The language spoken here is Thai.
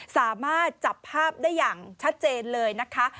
สามารถจับภาพได้อย่างชัดเจนเลยนะคะ